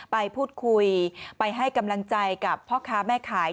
ไปพูดคุยไปให้กำลังใจกับพ่อค้าแม่ขาย